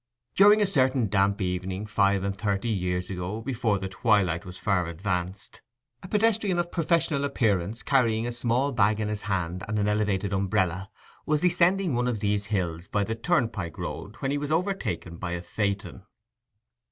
During a certain damp evening five and thirty years ago, before the twilight was far advanced, a pedestrian of professional appearance, carrying a small bag in his hand and an elevated umbrella, was descending one of these hills by the turnpike road when he was overtaken by a phaeton.